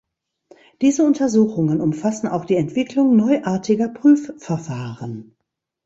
Diese Untersuchungen umfassen auch die Entwicklung neuartiger Prüfverfahren.